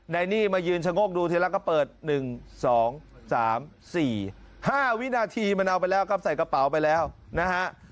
ในนี่มายืนชะโงกดูทีละก็เปิด๑๒๓๔๕วินาทีมันเอาไปแล้วครับใส่กระเป๋าไปแล้วนะฮะ